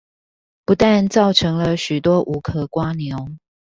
不但造成了許多無殼蝸牛